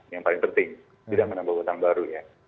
yang paling penting tidak menambah hutang baru ya